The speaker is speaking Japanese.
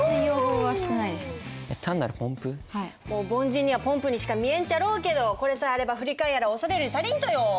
凡人にはポンプにしか見えんちゃろうけどこれさえあれば振り替えやら恐れるに足りんとよ。